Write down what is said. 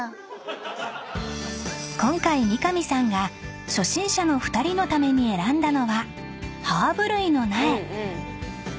［今回三上さんが初心者の２人のために選んだのはハーブ類の苗］